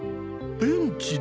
ベンチだ！